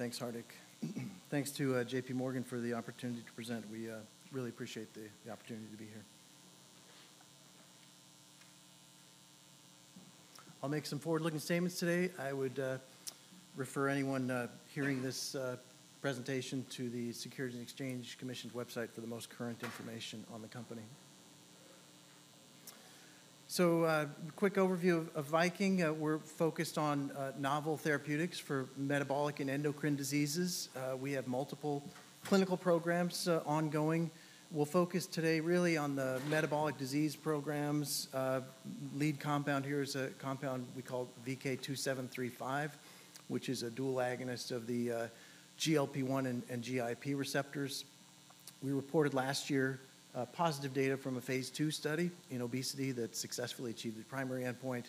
Thanks, Hardik. Thanks to JPMorgan for the opportunity to present. We really appreciate the opportunity to be here. I'll make some forward-looking statements today. I would refer anyone hearing this presentation to the Securities and Exchange Commission's website for the most current information on the company. So, a quick overview of Viking. We're focused on novel therapeutics for metabolic and endocrine diseases. We have multiple clinical programs ongoing. We'll focus today really on the metabolic disease programs. Lead compound here is a compound we call VK2735, which is a dual agonist of the GLP-1 and GIP receptors. We reported last year positive data from a phase II study in obesity that successfully achieved the primary endpoint,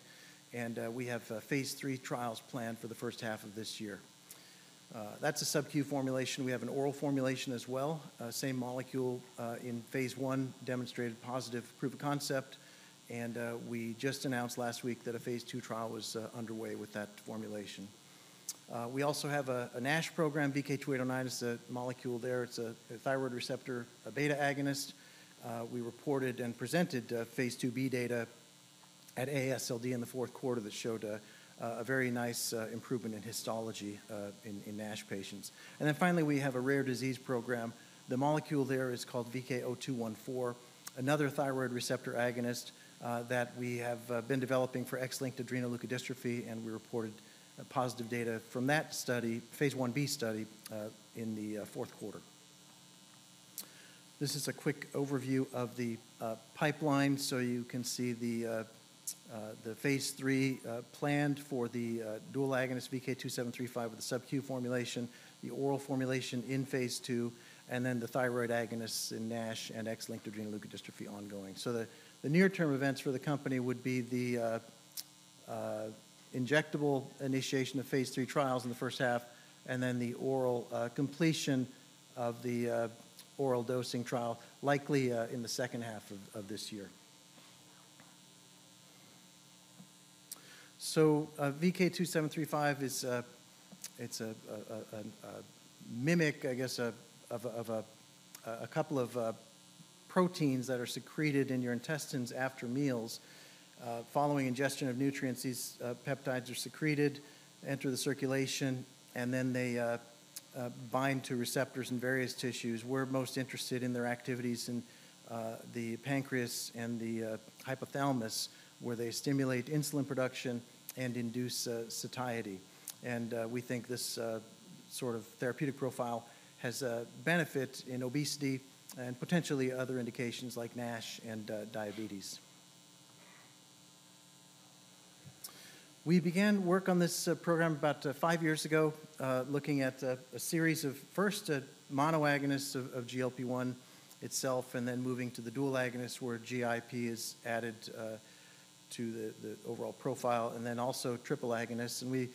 and we have phase III trials planned for the first half of this year. That's a sub-Q formulation. We have an oral formulation as well. Same molecule in phase I demonstrated positive proof of concept, and we just announced last week that a phase II trial was underway with that formulation. We also have a NASH program. VK2809 is the molecule there. It's a thyroid receptor beta agonist. We reported and presented phase II-B data at AASLD in the fourth quarter that showed a very nice improvement in histology in NASH patients, and then finally, we have a rare disease program. The molecule there is called VK0214, another thyroid receptor agonist that we have been developing for X-linked adrenoleukodystrophy, and we reported positive data from that study, phase Ib study, in the fourth quarter. This is a quick overview of the pipeline. You can see the phase III planned for the dual agonist VK2735 with the sub-Q formulation, the oral formulation in phase II, and then the thyroid agonists in NASH and X-linked adrenoleukodystrophy ongoing. The near-term events for the company would be the injectable initiation of phase III trials in the first half, and then the oral completion of the oral dosing trial likely in the second half of this year. VK2735 is, it's a mimic, I guess, of a couple of proteins that are secreted in your intestines after meals. Following ingestion of nutrients, these peptides are secreted, enter the circulation, and then they bind to receptors in various tissues. We're most interested in their activities in the pancreas and the hypothalamus, where they stimulate insulin production and induce satiety. We think this sort of therapeutic profile has benefits in obesity and potentially other indications like NASH and diabetes. We began work on this program about five years ago, looking at a series of first monoagonists of GLP-1 itself, and then moving to the dual agonists where GIP is added to the overall profile, and then also triple agonists where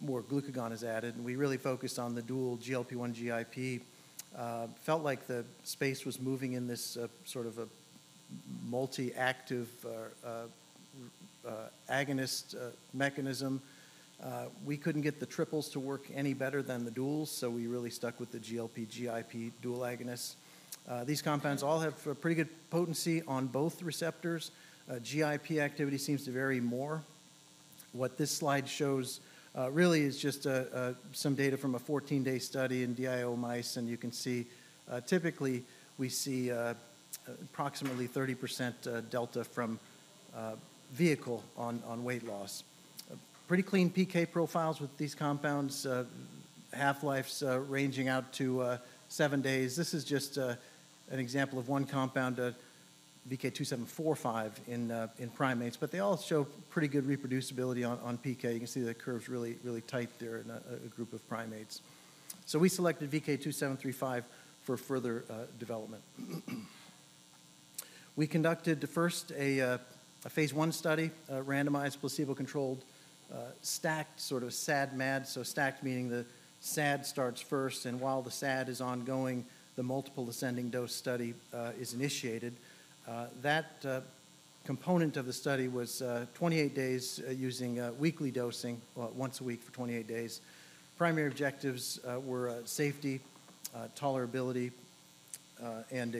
more glucagon is added. We really focused on the dual GLP-1/GIP. Felt like the space was moving in this sort of a multi-active agonist mechanism. We couldn't get the triples to work any better than the duals, so we really stuck with the GLP/GIP dual agonists. These compounds all have pretty good potency on both receptors. GIP activity seems to vary more. What this slide shows really is just some data from a 14-day study in DIO mice, and you can see typically we see approximately 30% delta from vehicle on weight loss. Pretty clean PK profiles with these compounds, half-lives ranging out to seven days. This is just an example of one compound, VK2745, in primates, but they all show pretty good reproducibility on PK. You can see the curve's really, really tight there in a group of primates. So we selected VK2735 for further development. We conducted first a phase I study, randomized, placebo-controlled, stacked sort of SAD/MAD. So stacked meaning the SAD starts first, and while the SAD is ongoing, the multiple ascending dose study is initiated. That component of the study was 28 days using weekly dosing once a week for 28 days. Primary objectives were safety, tolerability, and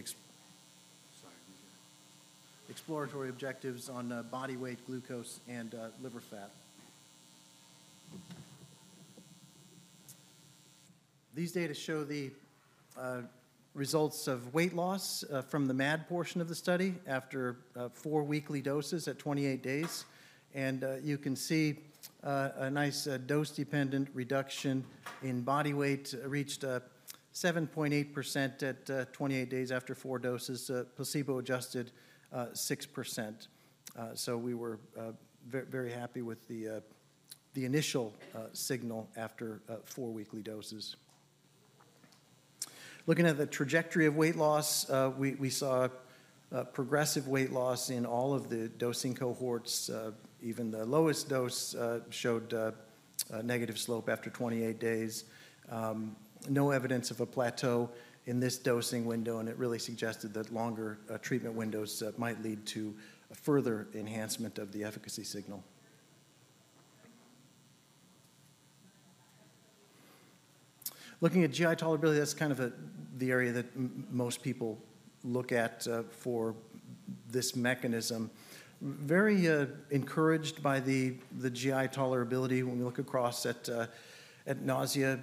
exploratory objectives on body weight, glucose, and liver fat. These data show the results of weight loss from the MAD portion of the study after four weekly doses at 28 days, and you can see a nice dose-dependent reduction in body weight reached 7.8% at 28 days after four doses, placebo-adjusted 6%, so we were very happy with the initial signal after four weekly doses. Looking at the trajectory of weight loss, we saw progressive weight loss in all of the dosing cohorts. Even the lowest dose showed a negative slope after 28 days. No evidence of a plateau in this dosing window, and it really suggested that longer treatment windows might lead to further enhancement of the efficacy signal. Looking at GI tolerability, that's kind of the area that most people look at for this mechanism. Very encouraged by the GI tolerability when we look across at nausea,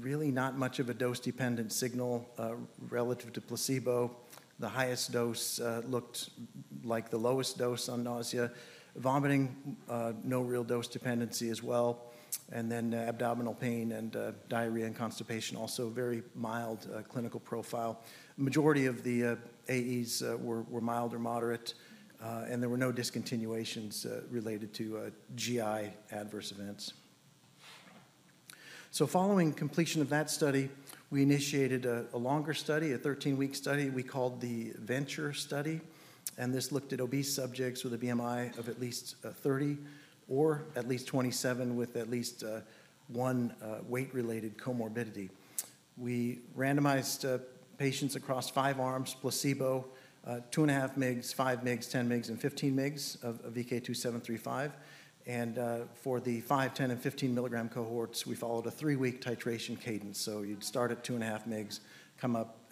really not much of a dose-dependent signal relative to placebo. The highest dose looked like the lowest dose on nausea. Vomiting, no real dose dependency as well. And then abdominal pain and diarrhea and constipation also very mild clinical profile. Majority of the AEs were mild or moderate, and there were no discontinuations related to GI adverse events. So following completion of that study, we initiated a longer study, a 13-week study we called the Venture Study, and this looked at obese subjects with a BMI of at least 30 or at least 27 with at least one weight-related comorbidity. We randomized patients across five arms, placebo, 2.5 mg, 5 mg, 10 mg, and 15 mg of VK2735. And for the 5 milligram, 10 milligram, and 15 milligram cohorts, we followed a three-week titration cadence. You'd start at 2.5 mg, come up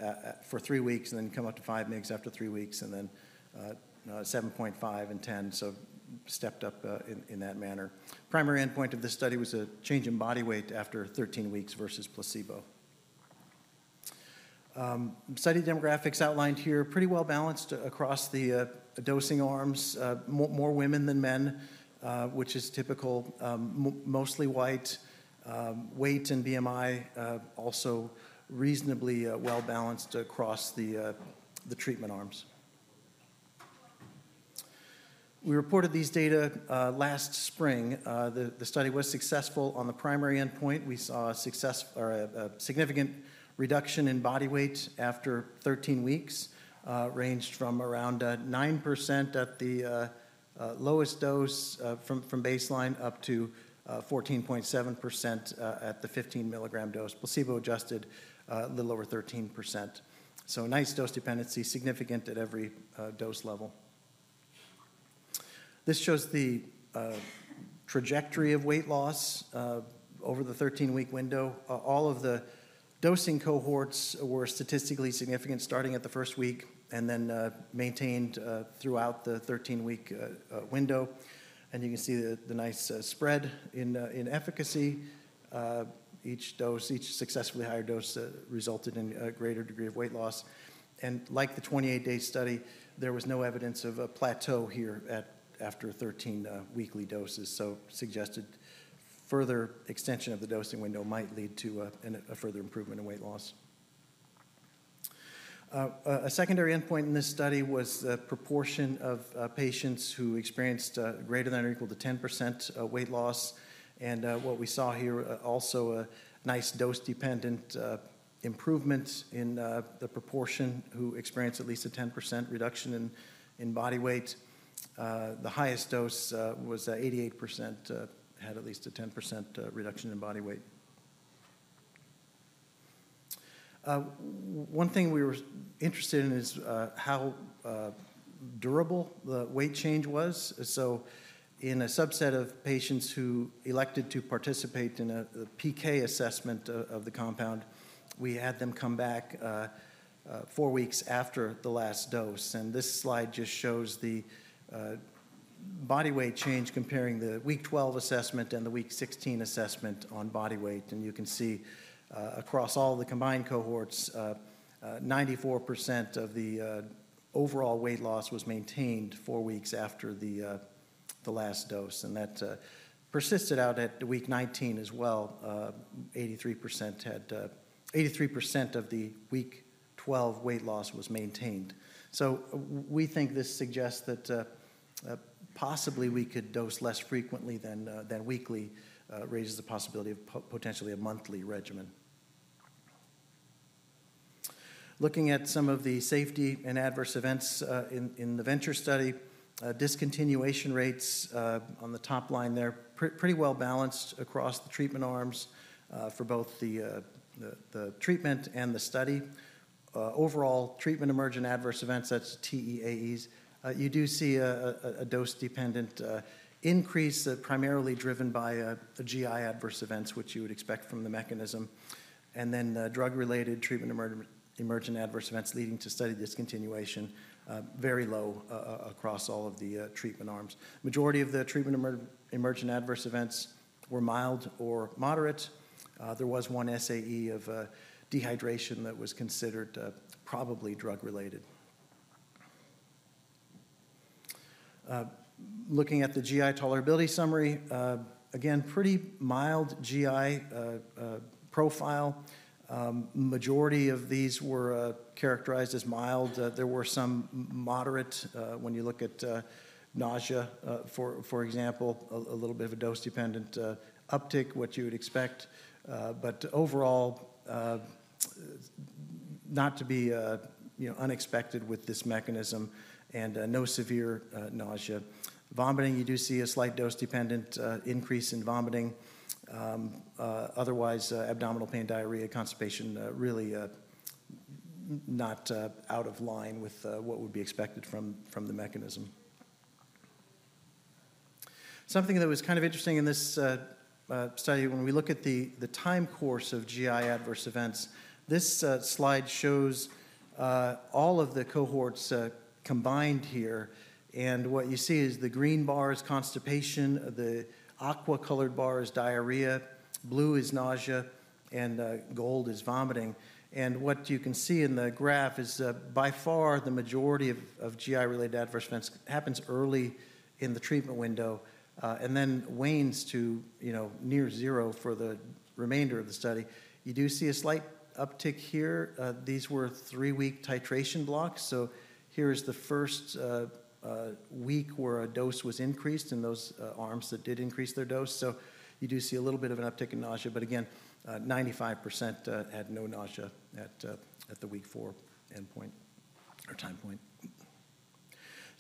for three weeks, and then come up to 5 mg after three weeks, and then 7.5 milligram and 10 milligram, so stepped up in that manner. Primary endpoint of this study was a change in body weight after 13 weeks versus placebo. Study demographics outlined here, pretty well balanced across the dosing arms, more women than men, which is typical, mostly white, weight and BMI also reasonably well balanced across the treatment arms. We reported these data last spring. The study was successful on the primary endpoint. We saw significant reduction in body weight after 13 weeks, ranged from around 9% at the lowest dose from baseline up to 14.7% at the 15 milligram dose, placebo-adjusted a little over 13%. Nice dose dependency significant at every dose level. This shows the trajectory of weight loss over the 13-week window. All of the dosing cohorts were statistically significant starting at the first week and then maintained throughout the 13-week window, and you can see the nice spread in efficacy. Each successfully higher dose resulted in a greater degree of weight loss, and like the 28-day study, there was no evidence of a plateau here after 13 weekly doses, so suggested further extension of the dosing window might lead to a further improvement in weight loss. A secondary endpoint in this study was the proportion of patients who experienced greater than or equal to 10% weight loss, and what we saw here also a nice dose-dependent improvement in the proportion who experienced at least a 10% reduction in body weight. The highest dose was 88%, had at least a 10% reduction in body weight. One thing we were interested in is how durable the weight change was. In a subset of patients who elected to participate in a PK assessment of the compound, we had them come back four weeks after the last dose. This slide just shows the body weight change comparing the week 12 assessment and the week 16 assessment on body weight. You can see across all the combined cohorts, 94% of the overall weight loss was maintained four weeks after the last dose. That persisted out at week 19 as well, 83% of the week 12 weight loss was maintained. We think this suggests that possibly we could dose less frequently than weekly raises the possibility of potentially a monthly regimen. Looking at some of the safety and adverse events in the Venture Study, discontinuation rates on the top line there pretty well balanced across the treatment arms for both the treatment and the study. Overall treatment emergent adverse events, that's TEAEs. You do see a dose-dependent increase primarily driven by GI adverse events, which you would expect from the mechanism. And then drug-related treatment emergent adverse events leading to study discontinuation, very low across all of the treatment arms. Majority of the treatment emergent adverse events were mild or moderate. There was one SAE of dehydration that was considered probably drug-related. Looking at the GI tolerability summary, again, pretty mild GI profile. Majority of these were characterized as mild. There were some moderate when you look at nausea, for example, a little bit of a dose-dependent uptick, what you would expect. But overall, not to be unexpected with this mechanism and no severe nausea. Vomiting, you do see a slight dose-dependent increase in vomiting. Otherwise, abdominal pain, diarrhea, constipation really not out of line with what would be expected from the mechanism. Something that was kind of interesting in this study, when we look at the time course of GI adverse events, this slide shows all of the cohorts combined here. And what you see is the green bar is constipation, the aqua-colored bar is diarrhea, blue is nausea, and gold is vomiting. And what you can see in the graph is by far the majority of GI-related adverse events happens early in the treatment window and then wanes to near zero for the remainder of the study. You do see a slight uptick here. These were three-week titration blocks. So here is the first week where a dose was increased in those arms that did increase their dose. So you do see a little bit of an uptick in nausea, but again, 95% had no nausea at the week four endpoint or time point.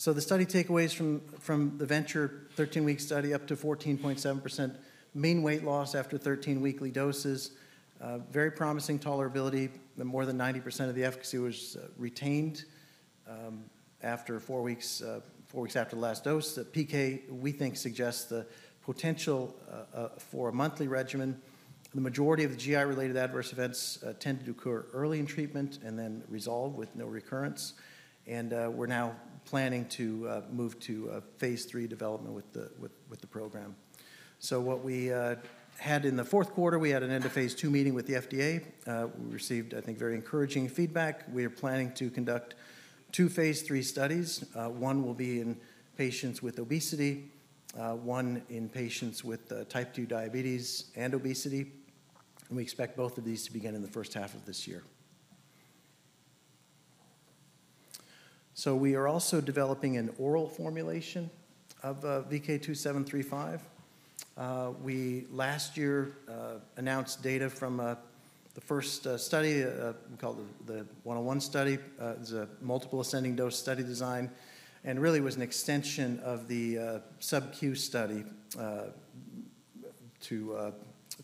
The study takeaways from the Venture 13-week study up to 14.7% mean weight loss after 13 weekly doses. Very promising tolerability. More than 90% of the efficacy was retained after four weeks after the last dose. The pK, we think, suggests the potential for a monthly regimen. The majority of the GI-related adverse events tend to occur early in treatment and then resolve with no recurrence. We're now planning to move to phase three development with the program. What we had in the fourth quarter, we had an end of phase two meeting with the FDA. We received, I think, very encouraging feedback. We are planning to conduct two phase three studies. One will be in patients with obesity, one in patients with type 2 diabetes and obesity. We expect both of these to begin in the first half of this year. We are also developing an oral formulation of VK2735. We last year announced data from the first study called the 101 study. It was a multiple ascending dose study design and really was an extension of the sub-Q study to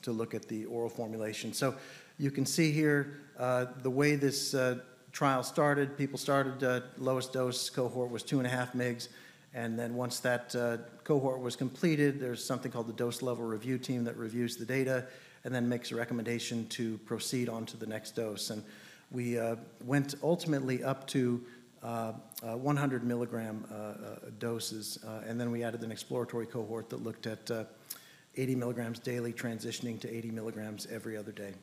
look at the oral formulation. So you can see here the way this trial started. People started. Lowest dose cohort was 2.5 mg. And then once that cohort was completed, there's something called the dose level review team that reviews the data and then makes a recommendation to proceed on to the next dose. And we went ultimately up to 100 milligram doses. And then we added an exploratory cohort that looked at 80 milligrams daily transitioning to 80 milligrams every other day.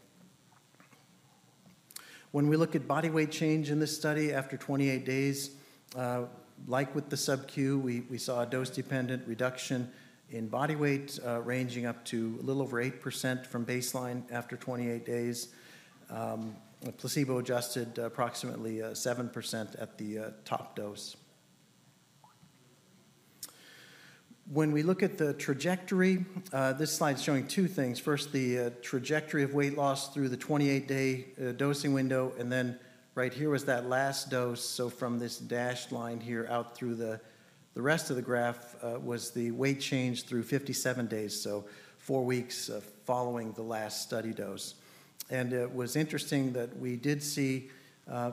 When we look at body weight change in this study after 28 days, like with the sub-Q, we saw a dose-dependent reduction in body weight ranging up to a little over 8% from baseline after 28 days, placebo-adjusted approximately 7% at the top dose. When we look at the trajectory, this slide is showing two things. First, the trajectory of weight loss through the 28-day dosing window, and then right here was that last dose, so from this dashed line here out through the rest of the graph was the weight change through 57 days, so four weeks following the last study dose, and it was interesting that we did see,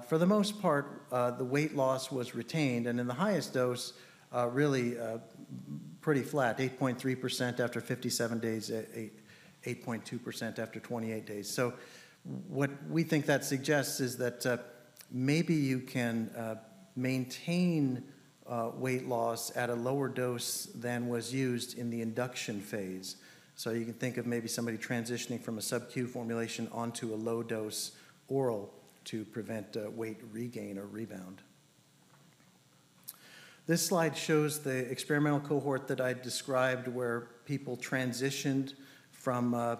for the most part, the weight loss was retained, and in the highest dose, really pretty flat, 8.3% after 57 days, 8.2% after 28 days. So what we think that suggests is that maybe you can maintain weight loss at a lower dose than was used in the induction phase. So you can think of maybe somebody transitioning from a sub-Q formulation onto a low-dose oral to prevent weight regain or rebound. This slide shows the experimental cohort that I described where people transitioned from a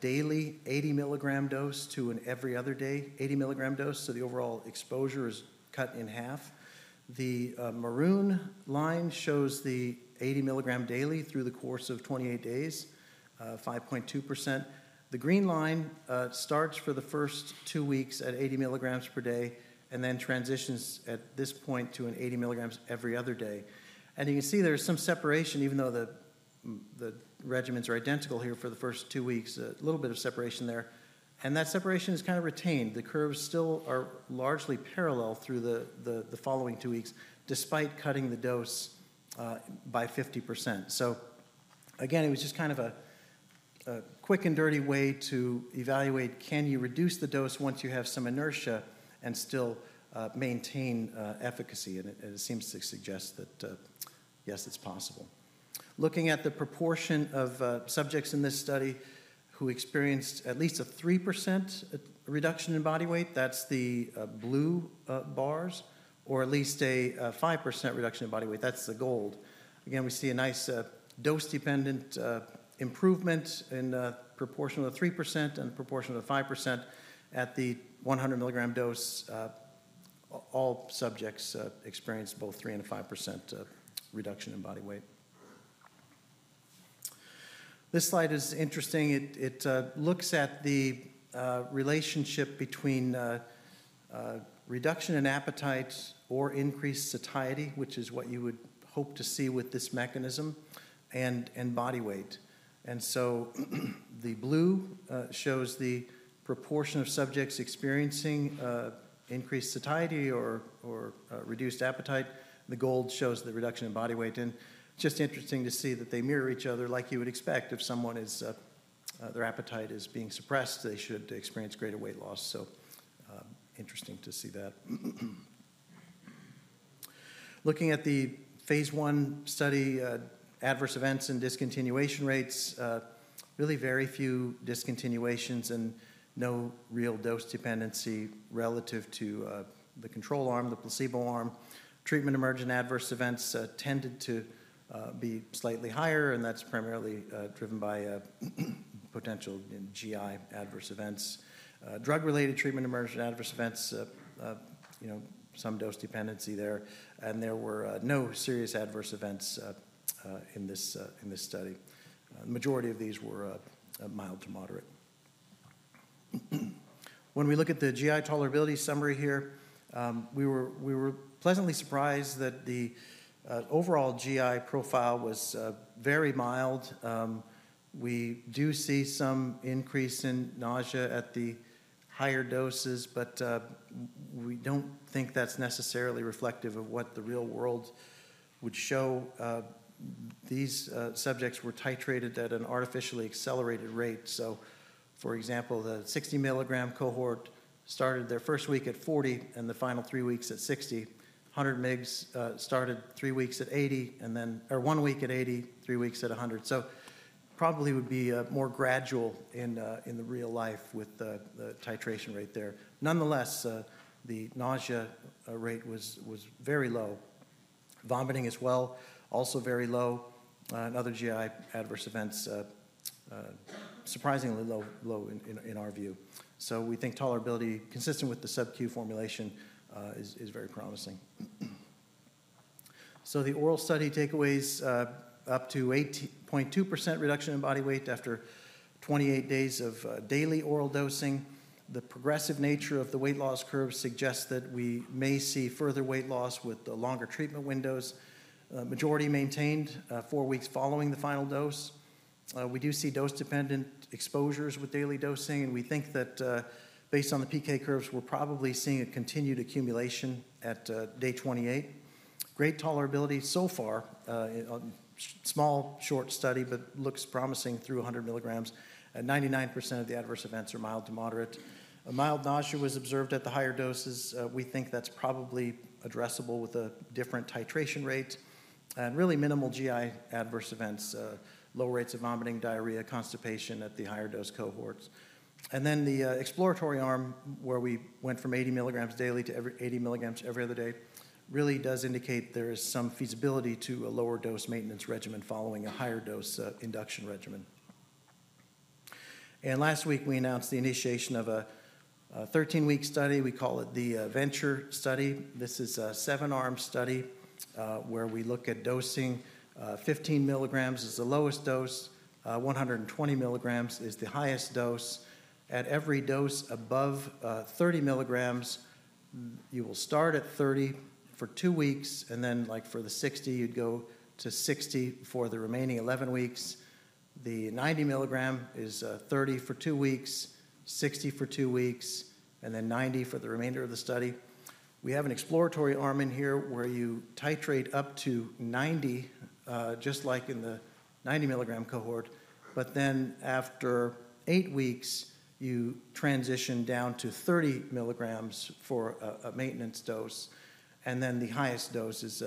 daily 80 milligram dose to an every other day 80 milligram dose. So the overall exposure is cut in half. The maroon line shows the 80 milligram daily through the course of 28 days, 5.2%. The green line starts for the first two weeks at 80 milligrams per day and then transitions at this point to an 80 milligrams every other day. And you can see there's some separation, even though the regimens are identical here for the first two weeks, a little bit of separation there. And that separation is kind of retained. The curves still are largely parallel through the following two weeks despite cutting the dose by 50%. So again, it was just kind of a quick and dirty way to evaluate, can you reduce the dose once you have some inertia and still maintain efficacy? And it seems to suggest that yes, it's possible. Looking at the proportion of subjects in this study who experienced at least a 3% reduction in body weight, that's the blue bars, or at least a 5% reduction in body weight, that's the gold. Again, we see a nice dose-dependent improvement in proportional 3% and proportional 5% at the 100 milligram dose. All subjects experienced both 3% and 5% reduction in body weight. This slide is interesting. It looks at the relationship between reduction in appetite or increased satiety, which is what you would hope to see with this mechanism, and body weight. So the blue shows the proportion of subjects experiencing increased satiety or reduced appetite. The gold shows the reduction in body weight. Just interesting to see that they mirror each other. Like you would expect, if someone's appetite is being suppressed, they should experience greater weight loss. So interesting to see that. Looking at the phase I study, adverse events and discontinuation rates, really very few discontinuations and no real dose dependency relative to the control arm, the placebo arm. Treatment-emergent adverse events tended to be slightly higher, and that's primarily driven by potential GI adverse events. Drug-related treatment-emergent adverse events, some dose dependency there. There were no serious adverse events in this study. The majority of these were mild to moderate. When we look at the GI tolerability summary here, we were pleasantly surprised that the overall GI profile was very mild. We do see some increase in nausea at the higher doses, but we don't think that's necessarily reflective of what the real world would show. These subjects were titrated at an artificially accelerated rate, so for example, the 60 milligram cohort started their first week at 40 milligram and the final three weeks at 60 milligram. 100 mg started three weeks at 80 milligram and then or one week at 80 milligram, three weeks at 100 milligram, so probably would be more gradual in the real life with the titration rate there. Nonetheless, the nausea rate was very low. Vomiting as well, also very low, and other GI adverse events, surprisingly low in our view. So we think tolerability consistent with the sub-Q formulation is very promising. So the oral study takeaways, up to 8.2% reduction in body weight after 28 days of daily oral dosing. The progressive nature of the weight loss curve suggests that we may see further weight loss with the longer treatment windows. Majority maintained four weeks following the final dose. We do see dose-dependent exposures with daily dosing. And we think that based on the PK curves, we're probably seeing a continued accumulation at day 28. Great tolerability so far, small short study, but looks promising through 100 milligrams. 99% of the adverse events are mild to moderate. Mild nausea was observed at the higher doses. We think that's probably addressable with a different titration rate. And really minimal GI adverse events, low rates of vomiting, diarrhea, constipation at the higher dose cohorts. Then the exploratory arm where we went from 80 milligrams daily to 80 milligrams every other day really does indicate there is some feasibility to a lower dose maintenance regimen following a higher dose induction regimen. Last week, we announced the initiation of a 13-week study. We call it the Venture Study. This is a seven-arm study where we look at dosing. 15 milligrams is the lowest dose. 120 milligrams is the highest dose. At every dose above 30 milligrams, you will start at 30 for two weeks. Then like for the 60, you'd go to 60 for the remaining 11 weeks. The 90 milligram is 30 for two weeks, 60 for two weeks, and then 90 for the remainder of the study. We have an exploratory arm in here where you titrate up to 90, just like in the 90 milligram cohort. But then after eight weeks, you transition down to 30 milligrams for a maintenance dose. And then the highest dose is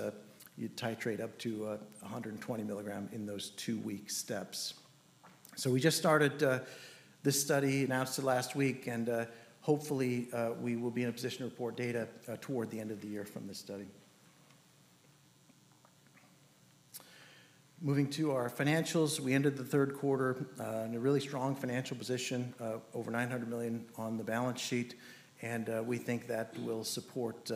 you'd titrate up to 120 milligram in those two-week steps. So we just started this study, announced it last week, and hopefully we will be in a position to report data toward the end of the year from this study. Moving to our financials, we ended the third quarter in a really strong financial position, over $900 million on the balance sheet. And we think that will support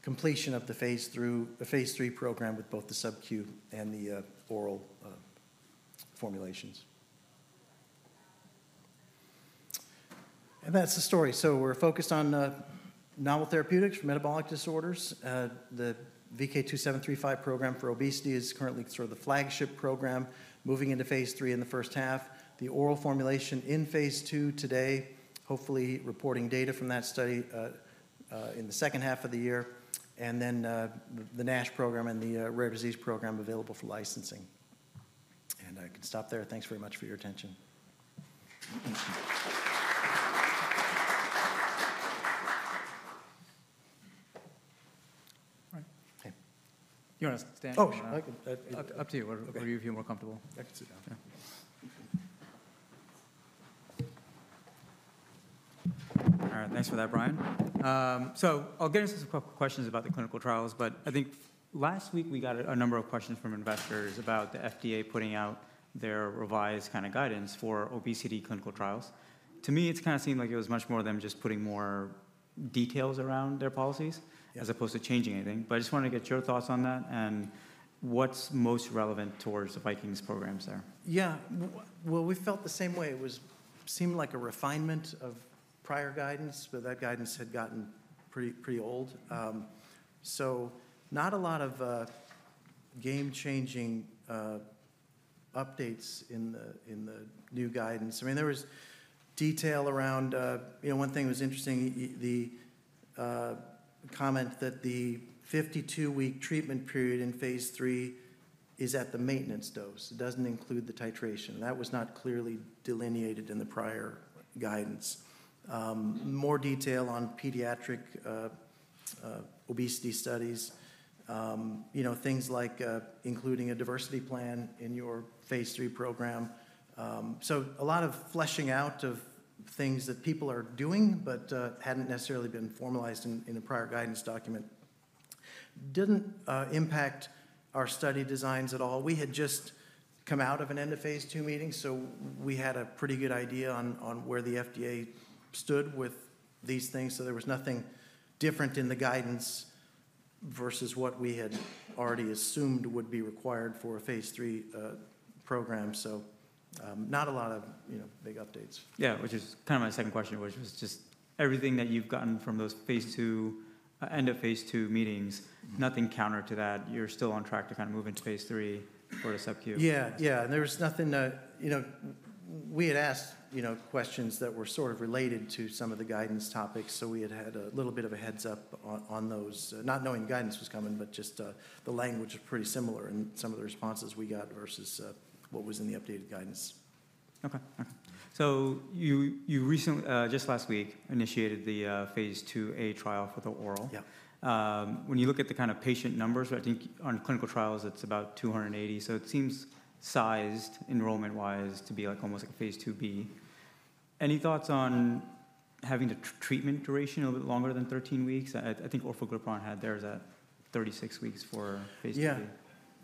completion of the phase III program with both the sub-Q and the oral formulations. And that's the story. So we're focused on novel therapeutics for metabolic disorders. The VK2735 program for obesity is currently sort of the flagship program moving into phase III in the first half. The oral formulation in phase two today, hopefully reporting data from that study in the second half of the year. And then the NASH program and the rare disease program available for licensing. And I can stop there. Thanks very much for your attention. You want to stand? Oh, up to you. Whatever you feel more comfortable. I can sit down. All right. Thanks for that, Brian. So I'll get into a couple of questions about the clinical trials. But I think last week we got a number of questions from investors about the FDA putting out their revised kind of guidance for obesity clinical trials. To me, it's kind of seemed like it was much more of them just putting more details around their policies as opposed to changing anything. But I just wanted to get your thoughts on that and what's most relevant towards the Viking's programs there. Yeah. Well, we felt the same way. It seemed like a refinement of prior guidance, but that guidance had gotten pretty old. So not a lot of game-changing updates in the new guidance. I mean, there was detail around one thing that was interesting, the comment that the 52-week treatment period in phase three is at the maintenance dose. It doesn't include the titration. That was not clearly delineated in the prior guidance. More detail on pediatric obesity studies, things like including a diversity plan in your phase three program. So a lot of fleshing out of things that people are doing, but hadn't necessarily been formalized in a prior guidance document. Didn't impact our study designs at all. We had just come out of an end of phase two meeting, so we had a pretty good idea on where the FDA stood with these things. So there was nothing different in the guidance versus what we had already assumed would be required for a phase III program. So not a lot of big updates. Yeah, which is kind of my second question, which was just everything that you've gotten from those phase II, end of phase II meetings, nothing counter to that. You're still on track to kind of move into phase III or to sub-Q. Yeah, yeah. And there was nothing that we had asked questions that were sort of related to some of the guidance topics. So we had had a little bit of a heads up on those. Not knowing the guidance was coming, but just the language was pretty similar in some of the responses we got versus what was in the updated guidance. Okay, okay. So you just last week initiated the phase IIa trial for the oral. When you look at the kind of patient numbers, I think on clinical trials, it's about 280. So it seems sized enrollment-wise to be almost like a phase IIb. Any thoughts on having the treatment duration a little bit longer than 13 weeks? I think Orforglipron had theirs at 36 weeks for phase II. Yeah.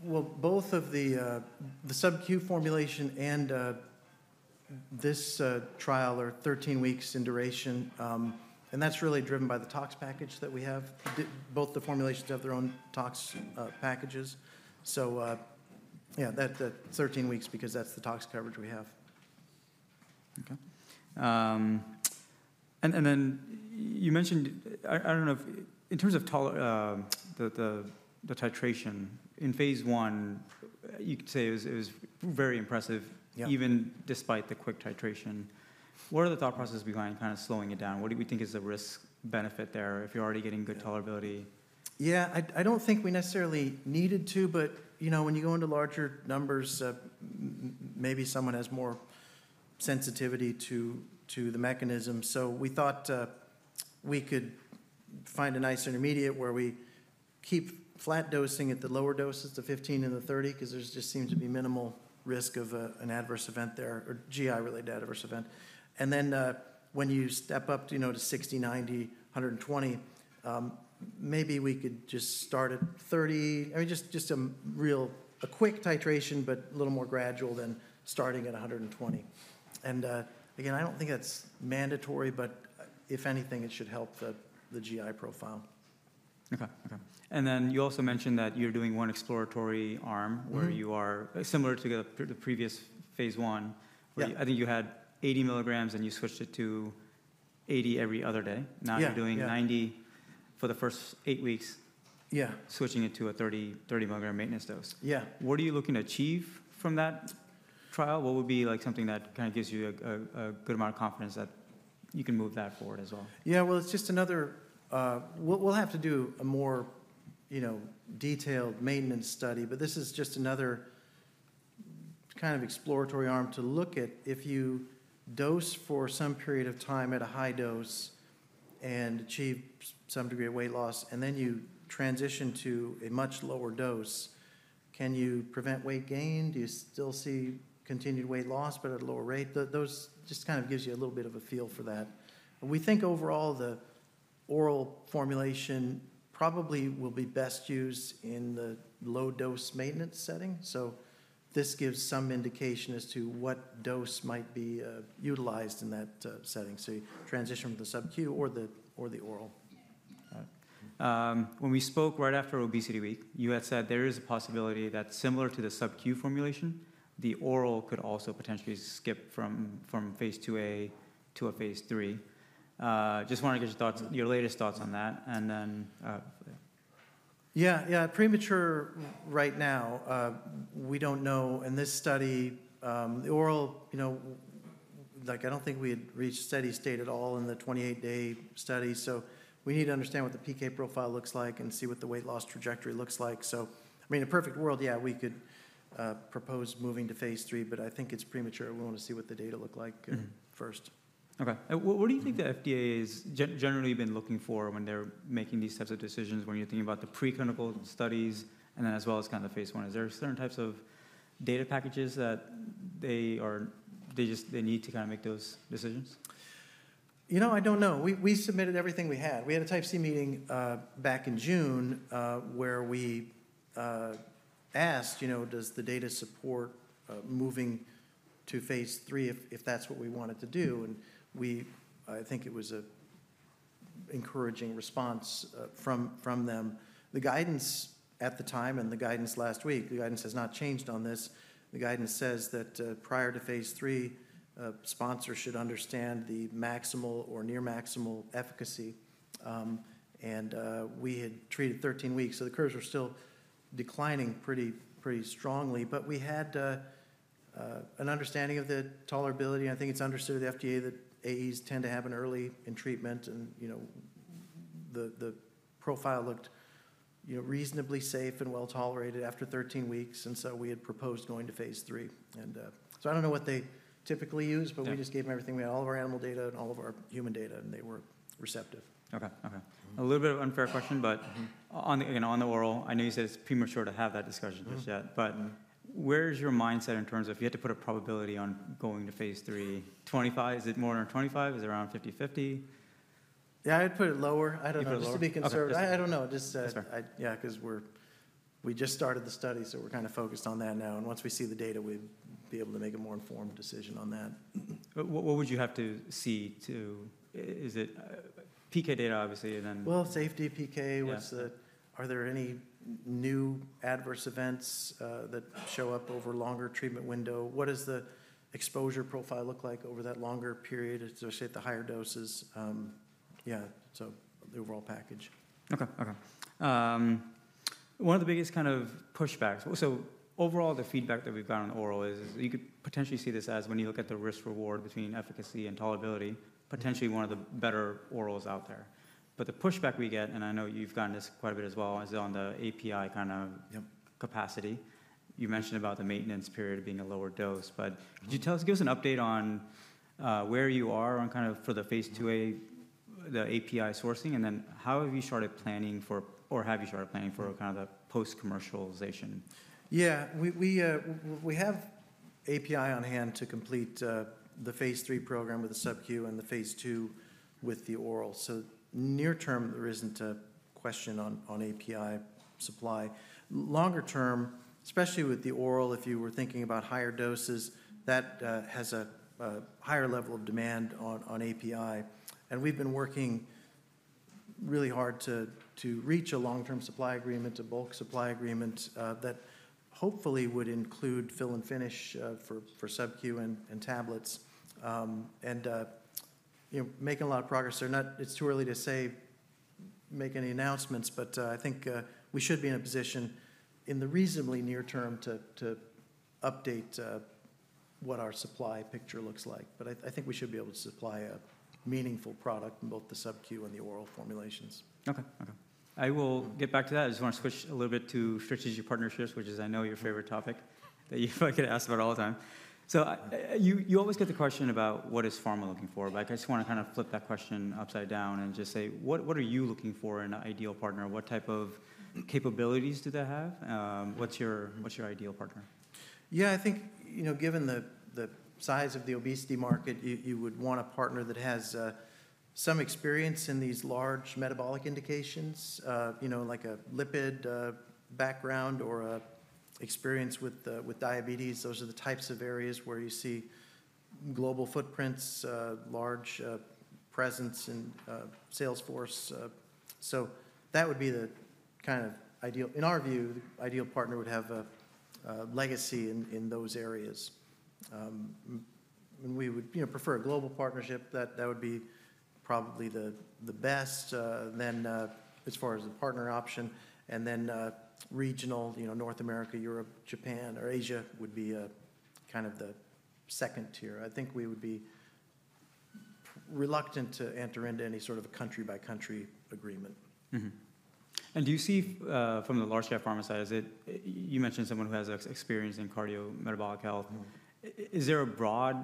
Well, both of the sub-Q formulation and this trial are 13 weeks in duration. And that's really driven by the tox package that we have. Both the formulations have their own tox packages. So yeah, that 13 weeks because that's the tox coverage we have. Okay. And then you mentioned, I don't know if in terms of the titration, in phase I, you could say it was very impressive even despite the quick titration. What are the thought processes behind kind of slowing it down? What do we think is the risk-benefit there if you're already getting good tolerability? Yeah, I don't think we necessarily needed to, but when you go into larger numbers, maybe someone has more sensitivity to the mechanism. So we thought we could find a nice intermediate where we keep flat dosing at the lower doses, the 15 and the 30, because there just seems to be minimal risk of an adverse event there or GI-related adverse event. And then when you step up to 60 milligrams, 90 milligrams, 120 milligrams, maybe we could just start at 30. I mean, just a real quick titration, but a little more gradual than starting at 120. And again, I don't think that's mandatory, but if anything, it should help the GI profile. Okay, okay. And then you also mentioned that you're doing one exploratory arm where you are similar to the previous phase I. I think you had 80 milligrams and you switched it to 80 milligrams every other day. Now you're doing 90 milligrams for the first eight weeks, switching it to a 30 milligram maintenance dose. Yeah. What are you looking to achieve from that trial? What would be something that kind of gives you a good amount of confidence that you can move that forward as well? Yeah, well, it's just another we'll have to do a more detailed maintenance study, but this is just another kind of exploratory arm to look at. If you dose for some period of time at a high dose and achieve some degree of weight loss, and then you transition to a much lower dose, can you prevent weight gain? Do you still see continued weight loss, but at a lower rate? Those just kind of gives you a little bit of a feel for that. We think overall the oral formulation probably will be best used in the low-dose maintenance setting. So this gives some indication as to what dose might be utilized in that setting. So transition from the sub-Q or the oral. When we spoke right after ObesityWeek, you had said there is a possibility that similar to the sub-Q formulation, the oral could also potentially skip from phase IIa to a phase III. Just wanted to get your thoughts, your latest thoughts on that. And then. Yeah, yeah. Premature right now, we don't know. In this study, the oral, I don't think we had reached steady state at all in the 28-day study. So we need to understand what the pK profile looks like and see what the weight loss trajectory looks like. So I mean, in a perfect world, yeah, we could propose moving to phase III, but I think it's premature. We want to see what the data look like first. Okay. What do you think the FDA has generally been looking for when they're making these types of decisions when you're thinking about the preclinical studies and then as well as kind of the phase I? Is there certain types of data packages that they need to kind of make those decisions? You know, I don't know. We submitted everything we had. We had a Type C meeting back in June where we asked, does the data support moving to phase III if that's what we wanted to do. And I think it was an encouraging response from them. The guidance at the time and the guidance last week, the guidance has not changed on this. The guidance says that prior to phase three, sponsors should understand the maximal or near maximal efficacy. And we had treated 13 weeks. So the curves were still declining pretty strongly. But we had an understanding of the tolerability. I think it's understood at the FDA that AEs tend to have an early in treatment. And the profile looked reasonably safe and well tolerated after 13 weeks. And so we had proposed going to phase three. And so I don't know what they typically use, but we just gave them everything. We had all of our animal data and all of our human data, and they were receptive. Okay, okay. A little bit of an unfair question, but on the oral, I know you said it's premature to have that discussion just yet. But where's your mindset in terms of if you had to put a probability on going to phase III, 25%? Is it more than 25%? Is it around 50-50? Yeah, I'd put it lower. I don't know. Just to be conservative. I don't know. Just, yeah, because we just started the study, so we're kind of focused on that now. And once we see the data, we'd be able to make a more informed decision on that. What would you have to see? Is it PK data, obviously, and then. Well, safety PK, are there any new adverse events that show up over a longer treatment window? What does the exposure profile look like over that longer period, especially at the higher doses? Yeah, so the overall package. Okay, okay. One of the biggest kind of pushbacks, so overall the feedback that we've got on oral is you could potentially see this as, when you look at the risk-reward between efficacy and tolerability, potentially one of the better orals out there. But the pushback we get, and I know you've gotten this quite a bit as well, is on the API kind of capacity. You mentioned about the maintenance period being a lower dose. But could you give us an update on where you are on kind of for the phase IIa, the API sourcing? And then how have you started planning for, or have you started planning for kind of the post-commercialization? Yeah, we have API on hand to complete the phase III program with the sub-Q and the phase II with the oral. So near term, there isn't a question on API supply. Longer term, especially with the oral, if you were thinking about higher doses, that has a higher level of demand on API. And we've been working really hard to reach a long-term supply agreement, a bulk supply agreement that hopefully would include fill and finish for sub-Q and tablets, and making a lot of progress there. It's too early to say make any announcements, but I think we should be in a position in the reasonably near term to update what our supply picture looks like, but I think we should be able to supply a meaningful product in both the sub-Q and the oral formulations. Okay, okay. I will get back to that. I just want to switch a little bit to strategic partnerships, which is, I know, your favorite topic that you feel like I get asked about all the time. You always get the question about what is pharma looking for. I just want to kind of flip that question upside down and just say, what are you looking for in an ideal partner? What type of capabilities do they have? What's your ideal partner? Yeah, I think given the size of the obesity market, you would want a partner that has some experience in these large metabolic indications, like a lipid background or experience with diabetes. Those are the types of areas where you see global footprints, large presence in sales force. That would be the kind of ideal, in our view, the ideal partner would have a legacy in those areas. We would prefer a global partnership. That would be probably the best then as far as a partner option. Then regional, North America, Europe, Japan, or Asia would be kind of the second tier. I think we would be reluctant to enter into any sort of a country-by-country agreement. And do you see from the large-cap pharma side, you mentioned someone who has experience in cardiometabolic health? Is there a broad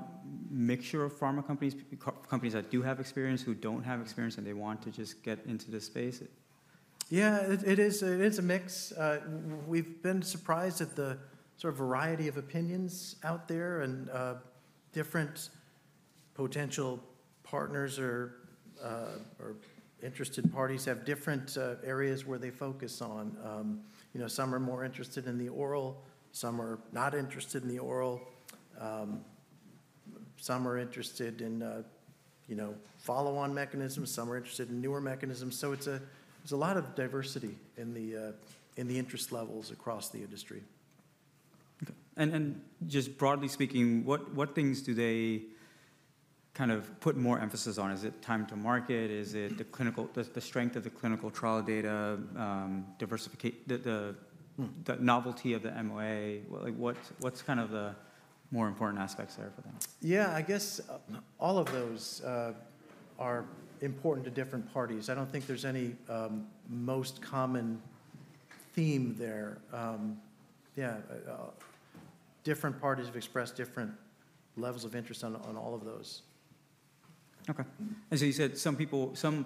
mixture of pharma companies, companies that do have experience who don't have experience and they want to just get into this space? Yeah, it is a mix. We've been surprised at the sort of variety of opinions out there and different potential partners or interested parties have different areas where they focus on. Some are more interested in the oral. Some are not interested in the oral. Some are interested in follow-on mechanisms. Some are interested in newer mechanisms. So there's a lot of diversity in the interest levels across the industry. And just broadly speaking, what things do they kind of put more emphasis on? Is it time to market? Is it the strength of the clinical trial data, the novelty of the MOA? What's kind of the more important aspects there for them? Yeah, I guess all of those are important to different parties. I don't think there's any most common theme there. Yeah, different parties have expressed different levels of interest on all of those. Okay. And so you said some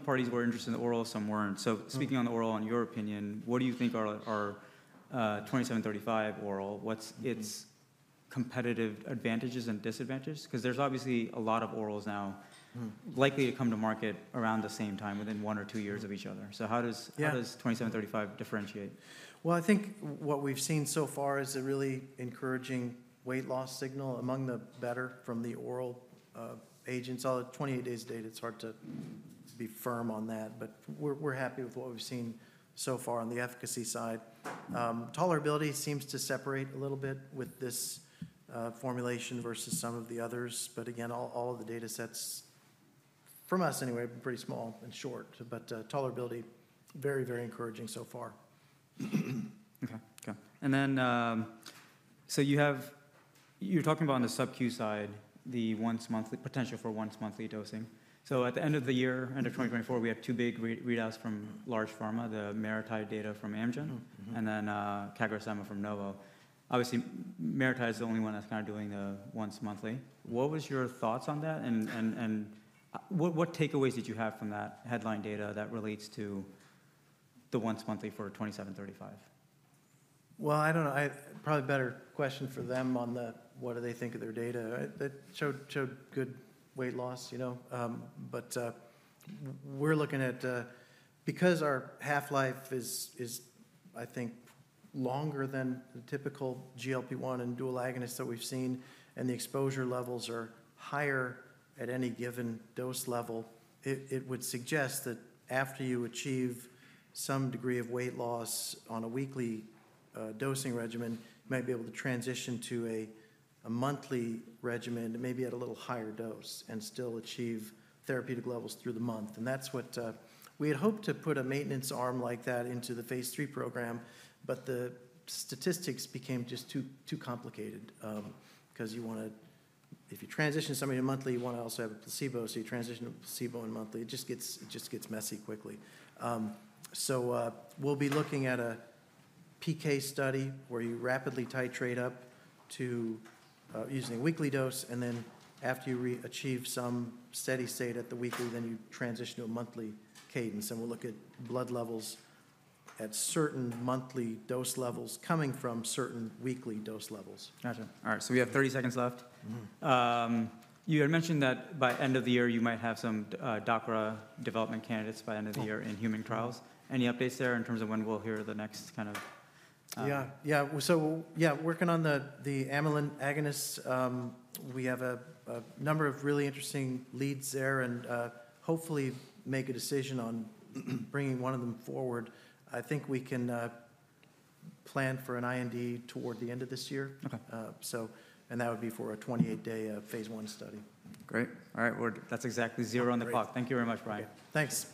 parties were interested in the oral, some weren't. So speaking on the oral, in your opinion, what do you think VK2735 oral? What's its competitive advantages and disadvantages? Because there's obviously a lot of orals now likely to come to market around the same time within one or two years of each other. So how does VK2735 differentiate? Well, I think what we've seen so far is a really encouraging weight loss signal among the best from the oral agents. 28 days data, it's hard to be firm on that, but we're happy with what we've seen so far on the efficacy side. Tolerability seems to separate a little bit with this formulation versus some of the others. But again, all of the data sets from us anyway, pretty small and short, but tolerability, very, very encouraging so far. Okay, okay. And then so you're talking about on the sub-Q side, the potential for once-monthly dosing. So at the end of the year, end of 2024, we have two big readouts from large pharma, the MariTide data from Amgen and then CagriSema from Novo. Obviously, MariTide is the only one that's kind of doing the once-monthly. What was your thoughts on that? And what takeaways did you have from that headline data that relates to the once-monthly for 2735? Well, I don't know. Probably better question for them on what do they think of their data. It showed good weight loss. But we're looking at, because our half-life is, I think, longer than the typical GLP-1 and dual agonists that we've seen, and the exposure levels are higher at any given dose level, it would suggest that after you achieve some degree of weight loss on a weekly dosing regimen, you might be able to transition to a monthly regimen, maybe at a little higher dose, and still achieve therapeutic levels through the month. And that's what we had hoped to put a maintenance arm like that into the phase III program, but the statistics became just too complicated because you want to, if you transition somebody to monthly, you want to also have a placebo. So you transition to a placebo and monthly, it just gets messy quickly. So we'll be looking at a PK study where you rapidly titrate up to using a weekly dose, and then after you achieve some steady state at the weekly, then you transition to a monthly cadence. And we'll look at blood levels at certain monthly dose levels coming from certain weekly dose levels. Gotcha. All right. So we have 30 seconds left. You had mentioned that by end of the year, you might have some DACRA development candidates by end of the year in human trials. Any updates there in terms of when we'll hear the next kind of? Yeah, yeah. So yeah, working on the amylin agonists, we have a number of really interesting leads there and hopefully make a decision on bringing one of them forward. I think we can plan for an IND toward the end of this year. That would be for a 28-day phase I study. Great. All right. That's exactly zero on the clock. Thank you very much, Brian. Thanks.